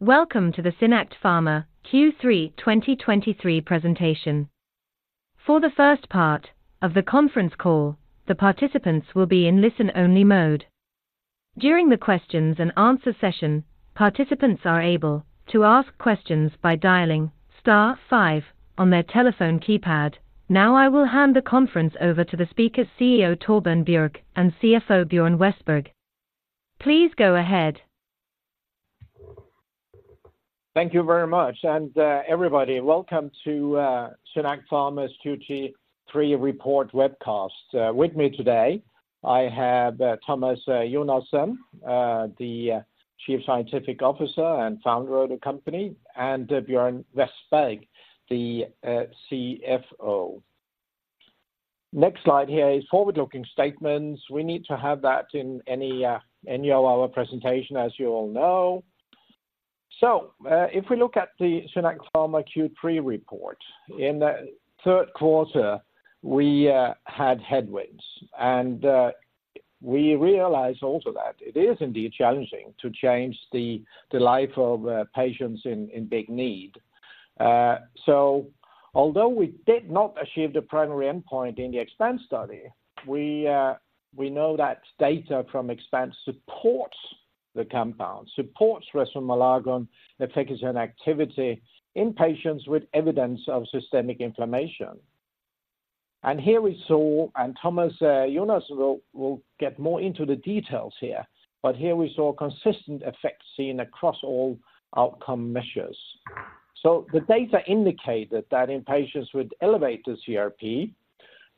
Welcome to the SynAct Pharma Q3 2023 presentation. For the first part of the conference call, the participants will be in listen-only mode. During the questions and answer session, participants are able to ask questions by dialing star five on their telephone keypad. Now, I will hand the conference over to the speakers, CEO Torbjørn Bjerke, and CFO, Björn Westberg. Please go ahead. Thank you very much. And, everybody, welcome to SynAct Pharma's Q3 report webcast. With me today, I have Thomas Jonassen, the Chief Scientific Officer and founder of the company, and Björn Westberg, the CFO. Next slide here is forward-looking statements. We need to have that in any of our presentation, as you all know. So, if we look at the SynAct Pharma Q3 report, in the third quarter, we had headwinds, and we realized also that it is indeed challenging to change the life of patients in big need. So although we did not achieve the primary endpoint in the EXPAND study, we know that data from EXPAND supports the compound, supports resomelagon, the efficacy and activity in patients with evidence of systemic inflammation. Here we saw, and Thomas Jonassen will get more into the details here, but here we saw consistent effects seen across all outcome measures. So the data indicated that in patients with elevated CRP,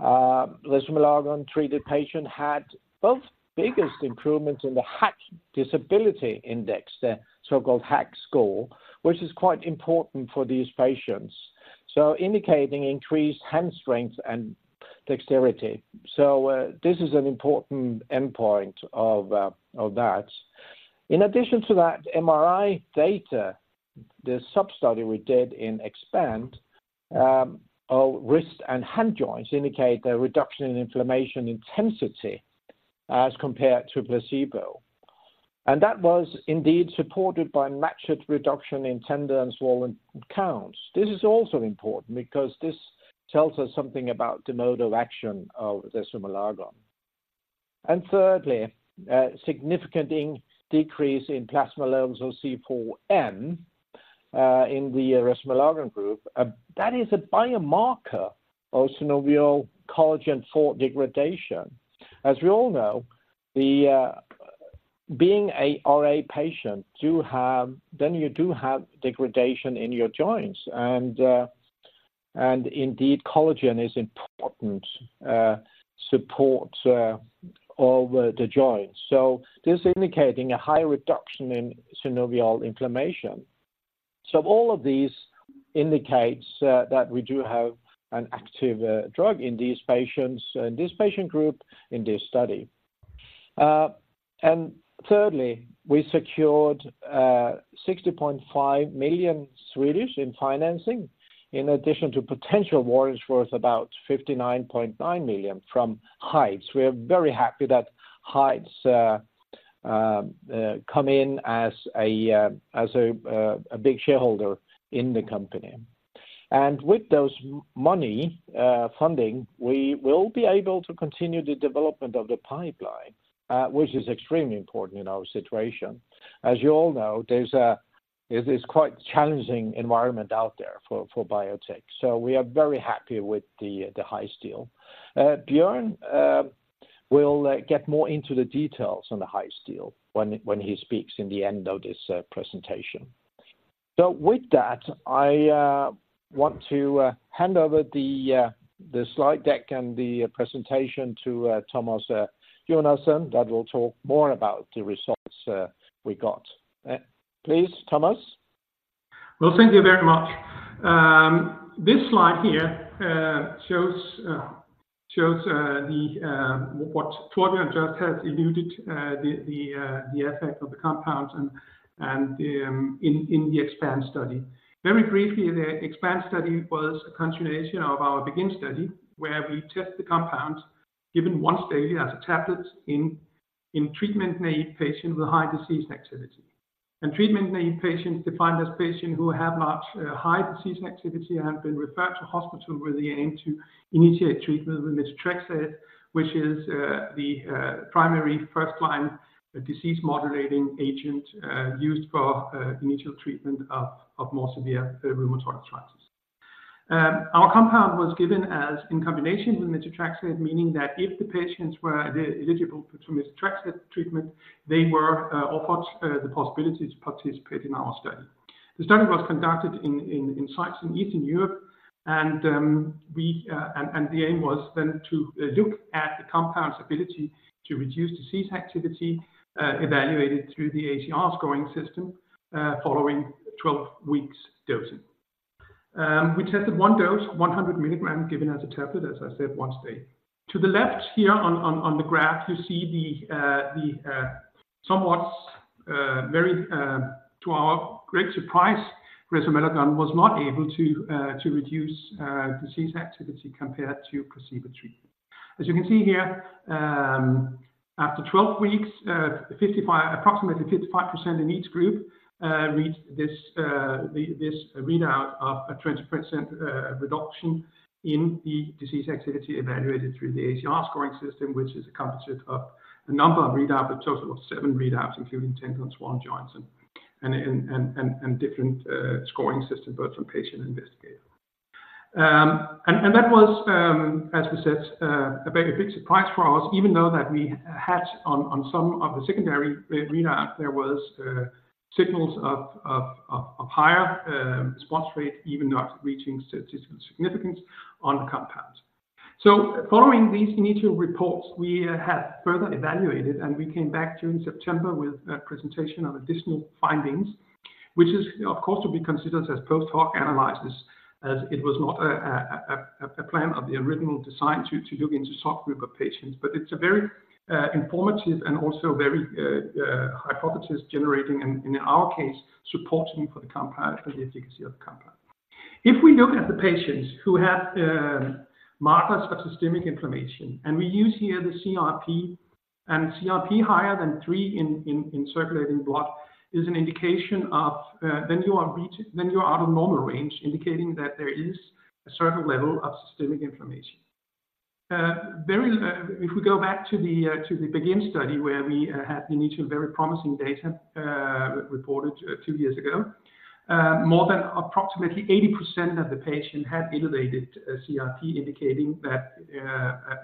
resomelagon-treated patient had both biggest improvements in the HAQ Disability Index, the so-called HAQ score, which is quite important for these patients. So indicating increased hand strength and dexterity. So this is an important endpoint of that. In addition to that MRI data, the sub-study we did in EXPAND, wrist and hand joints indicate a reduction in inflammation intensity as compared to placebo. And that was indeed supported by matched reduction in tender and swollen counts. This is also important because this tells us something about the mode of action of resomelagon. And thirdly, a significant decrease in plasma levels of C4M in the resomelagon group. That is a biomarker of synovial collagen IV degradation. As we all know, being a RA patient, you have. Then you do have degradation in your joints, and indeed, collagen is important support of the joints. So this indicating a high reduction in synovial inflammation. So all of these indicates that we do have an active drug in these patients, in this patient group, in this study. And thirdly, we secured 60.5 million in financing, in addition to potential warrants worth about 59.9 million from Heights. We are very happy that Heights come in as a big shareholder in the company. And with those money funding, we will be able to continue the development of the pipeline, which is extremely important in our situation. As you all know, there's this quite challenging environment out there for biotech, so we are very happy with the Heights deal. Björn will get more into the details on the Heights deal when he speaks in the end of this presentation. So with that, I want to hand over the slide deck and the presentation to Thomas Jonassen, that will talk more about the results we got. Please, Thomas. Well, thank you very much. This slide here shows what Torbjørn just has alluded to, the effect of the compound and in the EXPAND study. Very briefly, the EXPAND study was a continuation of our BEGIN study, where we test the compound, given once daily as a tablet in treatment-naïve patients with high disease activity. Treatment-naïve patients defined as patients who have much high disease activity and have been referred to hospital with the aim to initiate treatment with methotrexate, which is the primary first-line disease-modifying agent used for initial treatment of more severe rheumatoid arthritis. Our compound was given in combination with methotrexate, meaning that if the patients were eligible for methotrexate treatment, they were offered the possibility to participate in our study. The study was conducted in sites in Eastern Europe, and the aim was then to look at the compound's ability to reduce disease activity, evaluated through the ACR scoring system, following 12 weeks dosing. We tested one dose, 100 mg, given as a tablet, as I said, once a day. To the left here on the graph, you see the somewhat very, to our great surprise, resomelagon was not able to reduce disease activity compared to placebo treatment. As you can see here, after 12 weeks, approximately 55% in each group reached this readout of a 20% reduction in the disease activity evaluated through the ACR scoring system, which is a composite of a number of readouts, a total of 7 readouts, including tender and swollen joints and different scoring system both from patient and investigator. And that was, as we said, a very big surprise for us, even though that we had on some of the secondary readout, there was signals of higher response rate, even not reaching statistical significance on compound. So following these initial reports, we had further evaluated, and we came back during September with a presentation of additional findings, which is, of course, to be considered as post-hoc analysis, as it was not a plan of the original design to look into subgroup of patients. But it's a very informative and also very hypothesis generating, and in our case, supporting for the compound, for the efficacy of the compound. If we look at the patients who had markers for systemic inflammation, and we use here the CRP, and CRP higher than 3 in circulating blood is an indication of, then you are out of normal range, indicating that there is a certain level of systemic inflammation. Very, if we go back to the BEGIN study, where we had the initial very promising data reported two years ago, more than approximately 80% of the patient had elevated CRP, indicating that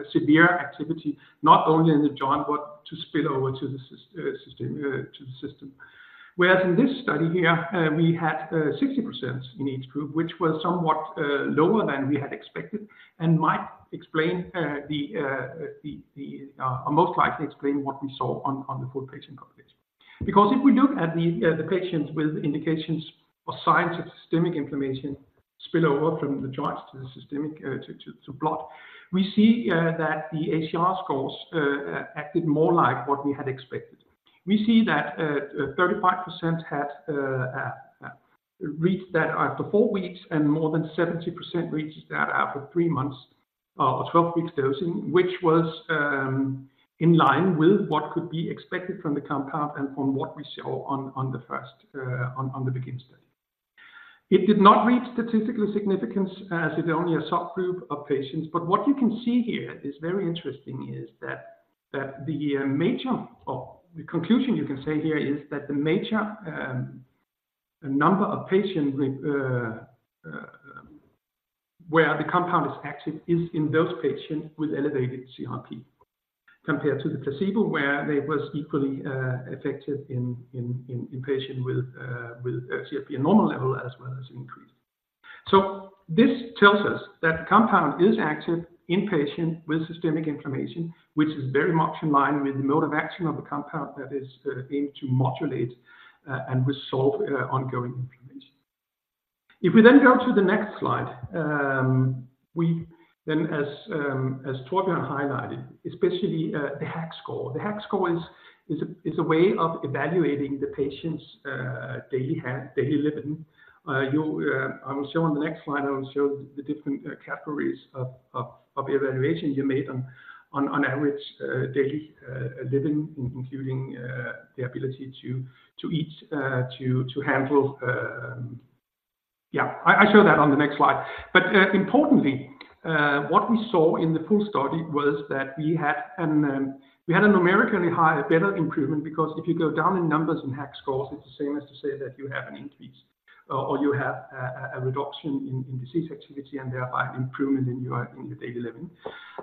a severe activity, not only in the joint, but to spill over to the system. Whereas in this study here, we had 60% in each group, which was somewhat lower than we had expected and might explain, or most likely explain what we saw on the full patient population. Because if we look at the patients with indications or signs of systemic inflammation spill over from the joints to the systemic, to blood, we see that the ACR scores acted more like what we had expected. We see that 35% had reached that after four weeks, and more than 70% reached that after three months, or 12 weeks dosing, which was in line with what could be expected from the compound and from what we saw on the first, on the BEGIN study. It did not reach statistical significance as it only a soft group of patients. But what you can see here is very interesting, is that the major or the conclusion you can say here is that the major number of patients with where the compound is active is in those patients with elevated CRP, compared to the placebo, where it was equally effective in patient with CRP normal level as well as increased. So this tells us that the compound is active in patient with systemic inflammation, which is very much in line with the mode of action of the compound, that is aimed to modulate and resolve ongoing inflammation. If we then go to the next slide, we then as Torbjørn highlighted, especially the HAQ score. The HAQ score is a way of evaluating the patient's daily hand, daily living. I will show on the next slide. I will show the different categories of evaluation you made on average daily living, including the ability to eat, to handle... Yeah, I show that on the next slide. But importantly, what we saw in the full study was that we had a numerically higher, better improvement, because if you go down in numbers and HAQ scores, it's the same as to say that you have an increase, or you have a reduction in disease activity and thereby an improvement in your daily living.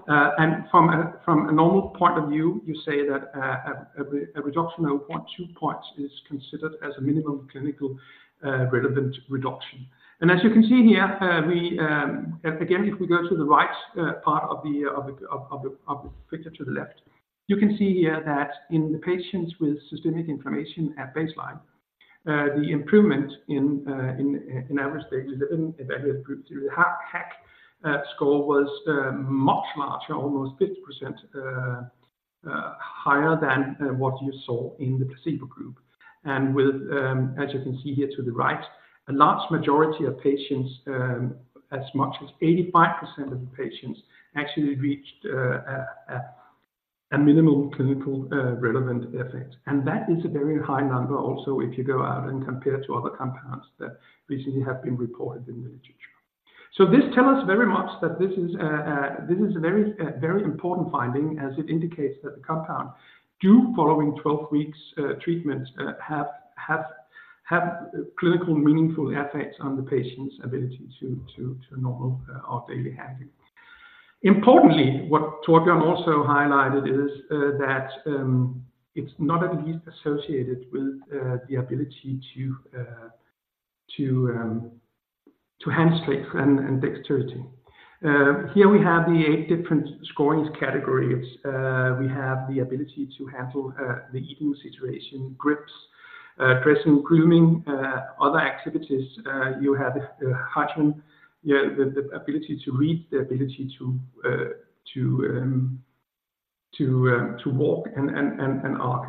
And from a normal point of view, you say that a reduction of 0.2 points is considered as a minimum clinical relevant reduction. As you can see here, we again, if we go to the right part of the picture to the left, you can see here that in the patients with systemic inflammation at baseline, the improvement in average daily living evaluated group through the HAQ score was much larger, almost 50% higher than what you saw in the placebo group. With, as you can see here to the right, a large majority of patients, as much as 85% of the patients actually reached a minimum clinically relevant effect. That is a very high number also, if you go out and compare to other compounds that recently have been reported in the literature. So this tell us very much that this is, this is a very, very important finding as it indicates that the compound do following 12 weeks, treatment, have, have, have clinical meaningful effects on the patient's ability to, to, to normal, or daily living. Importantly, what Torbjørn also highlighted is, that, it's not at least associated with, the ability to, to, to handshake and, and, dexterity. Here we have the eight different scoring categories. We have the ability to handle, the eating situation, grips, dressing, grooming, other activities. You have, acumen, the, the, the ability to read, the ability to, to, to walk and, and, and, and arc.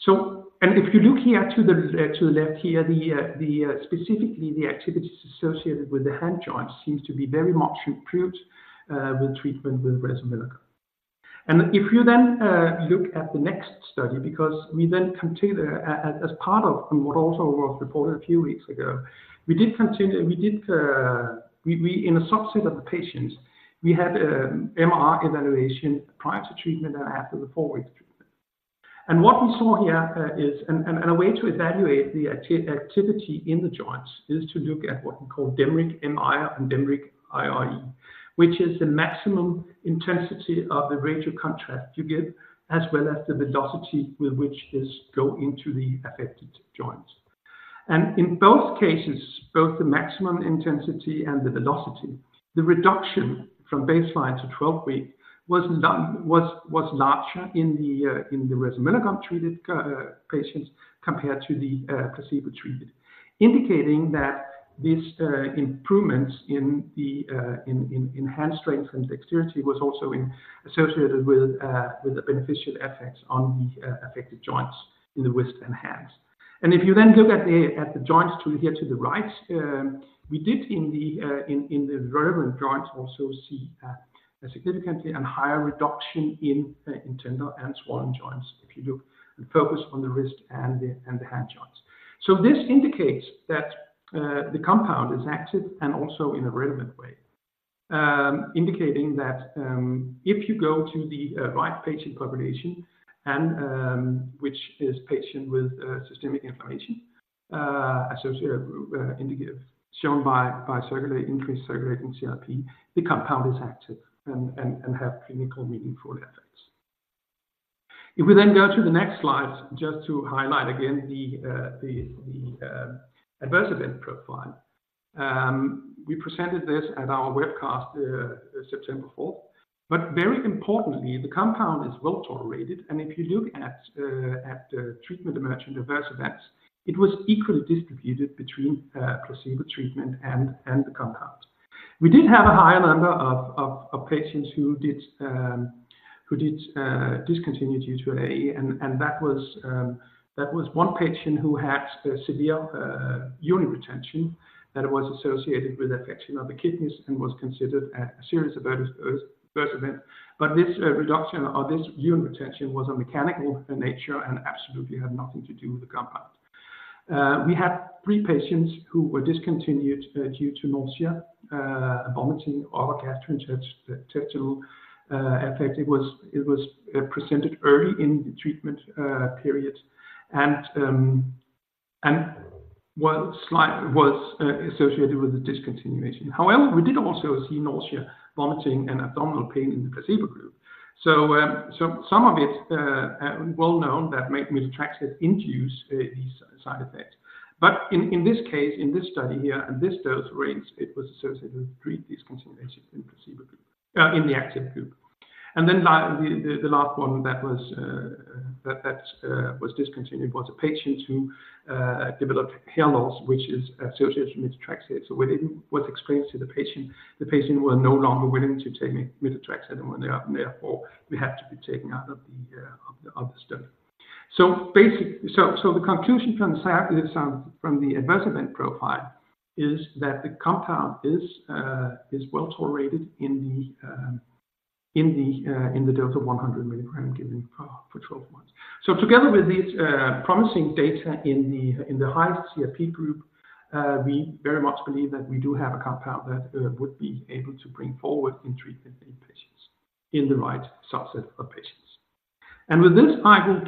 So, and if you look here to the left here, specifically the activities associated with the hand joints seems to be very much improved with treatment with resomelagon. And if you then look at the next study, because we then continue as part of what also was reported a few weeks ago, we did continue in a subset of the patients, we had MRI evaluation prior to treatment and after the four-week treatment. And what we saw here is a way to evaluate the activity in the joints is to look at what we call dMRI ME and dMRI IRE, which is the maximum intensity of the radio contrast you give, as well as the velocity with which this go into the affected joints. And in both cases, both the maximum intensity and the velocity, the reduction from baseline to 12 week was larger in the resomelagon treated patients compared to the placebo treated. Indicating that this improvements in the hand strength and dexterity was also associated with the beneficial effects on the affected joints in the wrist and hands. And if you then look at the joints here to the right, we did in the relevant joints also see a significantly higher reduction in tender and swollen joints, if you look and focus on the wrist and the hand joints. So this indicates that the compound is active and also in a relevant way. Indicating that if you go to the right patient population, which is patient with systemic inflammation, associated, indicated, shown by increased circulating CRP, the compound is active and has clinically meaningful effects. If we then go to the next slide, just to highlight again the adverse event profile. We presented this at our webcast, September 4th. Very importantly, the compound is well tolerated, and if you look at the treatment-emergent adverse events, it was equally distributed between placebo treatment and the compound. We did have a higher number of patients who discontinued due to AE, and that was one patient who had a severe urine retention, that was associated with affection of the kidneys and was considered a serious adverse event. But this reduction or this urine retention was of mechanical nature and absolutely had nothing to do with the compound. We had three patients who were discontinued due to nausea, vomiting or gastrointestinal effect. It was presented early in the treatment period, and was slight, associated with the discontinuation. However, we did also see nausea, vomiting, and abdominal pain in the placebo group. So some of it well known that methotrexate induce these side effects. But in this case, in this study here, and this dose range, it was associated with pre-discontinuation in placebo group, in the active group. And then the last one that was discontinued was a patient who developed hair loss, which is associated with methotrexate. So it was explained to the patient, the patient was no longer willing to take methotrexate and therefore, we had to be taken out of the study. So basically, the conclusion from the adverse event profile is that the compound is well tolerated in the dose of 100 mg given for 12 months. So together with this promising data in the high CRP group, we very much believe that we do have a compound that would be able to bring forward in treatment in patients in the right subset of patients. And with this, I will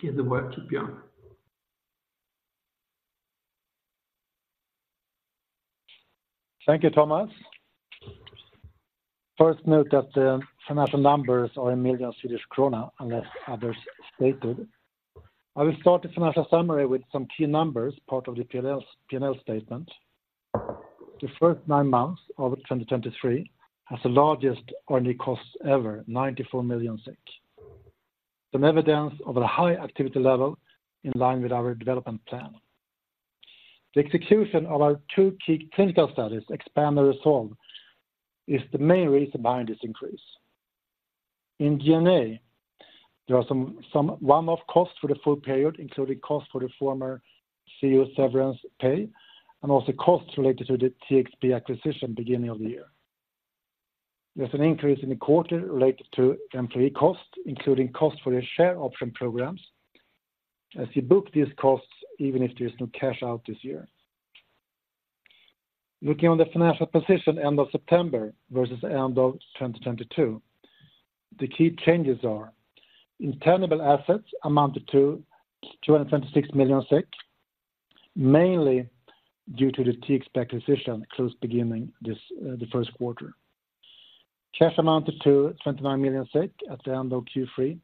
give the word to Björn. Thank you, Thomas. First, note that the financial numbers are in million Swedish krona, unless otherwise stated. I will start the financial summary with some key numbers, part of the P&L statement. The first 9 months of 2023 has the largest R&D costs ever, 94 million. Some evidence of a high activity level in line with our development plan. The execution of our two key clinical studies, EXPAND and RESOLVE, is the main reason behind this increase. In G&A, there are some one-off costs for the full period, including costs for the former CEO severance pay, and also costs related to the TXP acquisition, beginning of the year. There's an increase in the quarter related to employee costs, including costs for the share option programs. As you book these costs, even if there's no cash out this year. Looking on the financial position, end of September versus end of 2022, the key changes are: intangible assets amounted to 226 million SEK, mainly due to the TXP acquisition, close beginning this, the first quarter. Cash amounted to 29 million SEK at the end of Q3,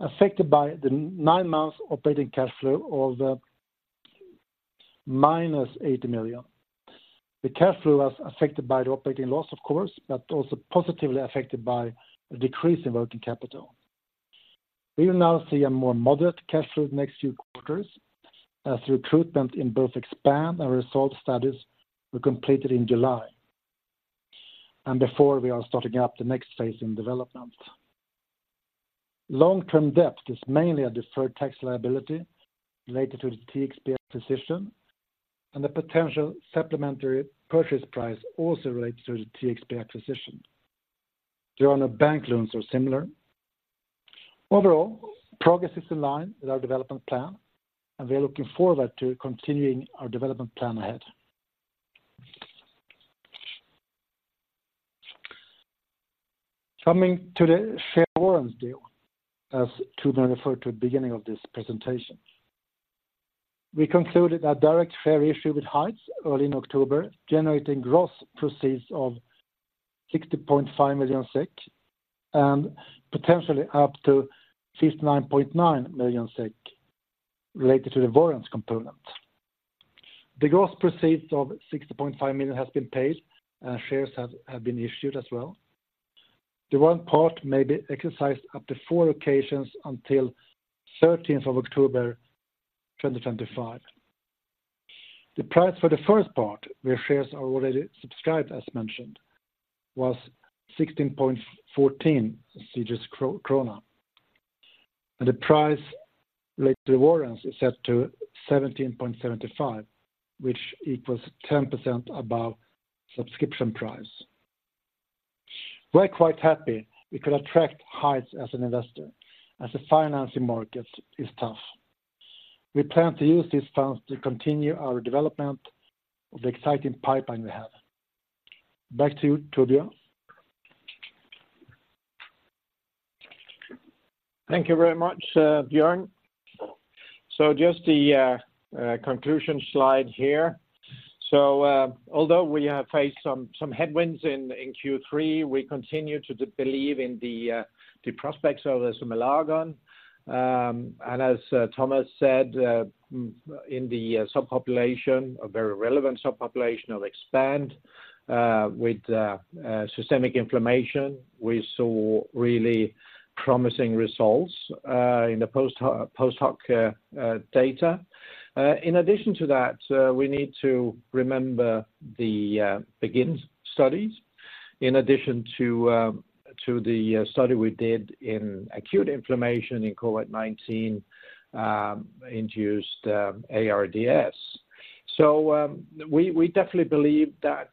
affected by the nine months operating cash flow of -80 million. The cash flow was affected by the operating loss, of course, but also positively affected by a decrease in working capital.. We will now see a more moderate cash flow the next few quarters as recruitment in both EXPAND and RESOLVE studies were completed in July, and before we are starting up the next phase in development. Long-term debt is mainly a deferred tax liability related to the TXP acquisition, and the potential supplementary purchase price also relates to the TXP acquisition. Turning to the bank loans are similar. Overall, progress is in line with our development plan, and we are looking forward to continuing our development plan ahead. Coming to the share warrants deal, as Torbjørn referred to at the beginning of this presentation. We concluded a direct share issue with Heights early in October, generating gross proceeds of 60.5 million SEK, and potentially up to 59.9 million SEK related to the warrants component. The gross proceeds of 60.5 million has been paid, and shares have been issued as well. The warrant part may be exercised up to four occasions until the 13th of October 2025. The price for the first part, where shares are already subscribed, as mentioned, was 16.14 krona, and the price related to the warrants is set to 17.75, which equals 10% above subscription price. We're quite happy we could attract Heights as an investor, as the financing market is tough. We plan to use these funds to continue our development of the exciting pipeline we have. Back to you, Torbjørn. Thank you very much, Björn. So just the conclusion slide here. So, although we have faced some headwinds in Q3, we continue to believe in the prospects of resomelagon. And as Thomas said, in the subpopulation, a very relevant subpopulation of EXPAND with systemic inflammation, we saw really promising results in the post hoc data. In addition to that, we need to remember the BEGIN studies, in addition to the study we did in acute inflammation in COVID-19 induced ARDS. So, we definitely believe that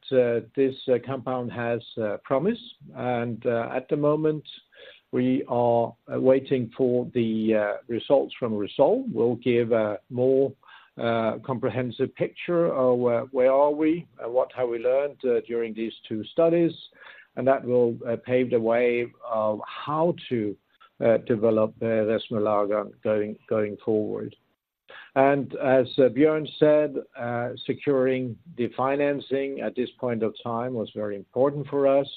this compound has promise, and at the moment, we are waiting for the results from RESOLVE. We'll give a more comprehensive picture of where we are and what have we learned during these two studies, and that will pave the way of how to develop the resomelagon going forward. And as Björn said, securing the financing at this point of time was very important for us,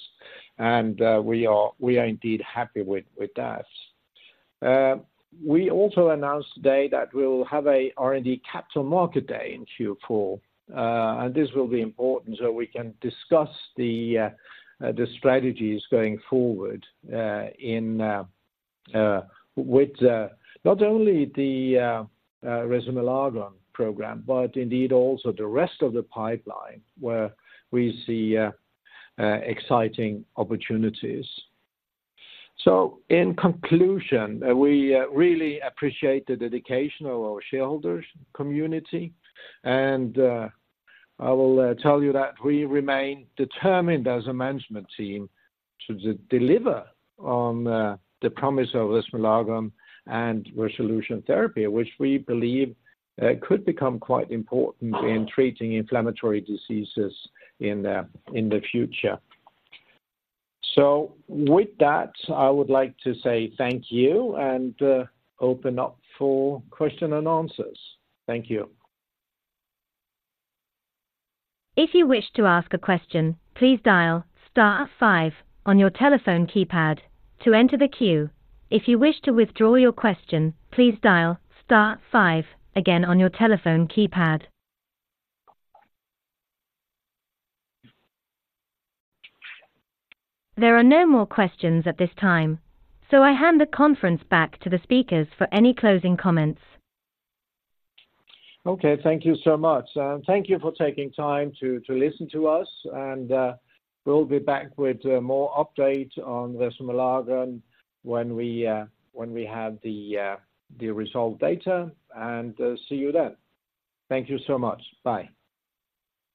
and we are indeed happy with that. We also announced today that we'll have a R&D capital market day in Q4, and this will be important so we can discuss the strategies going forward with not only the resomelagon program, but indeed also the rest of the pipeline, where we see exciting opportunities. So in conclusion, we really appreciate the dedication of our shareholders community, and I will tell you that we remain determined as a management team to deliver on the promise of resomelagon and resolution therapy, which we believe could become quite important in treating inflammatory diseases in the future. So with that, I would like to say thank you and open up for question and answers. Thank you. If you wish to ask a question, please dial star five on your telephone keypad to enter the queue. If you wish to withdraw your question, please dial star five again on your telephone keypad. There are no more questions at this time, so I hand the conference back to the speakers for any closing comments. Okay, thank you so much, and thank you for taking time to listen to us, and we'll be back with more update on resomelagon when we have the result data, and see you then. Thank you so much. Bye.